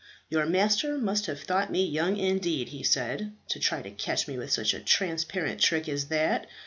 "Your master must have thought me young indeed," he said, "to try and catch me with such a transparent trick as that.